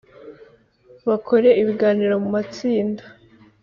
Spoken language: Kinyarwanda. bakore ibiganiro mu matsinda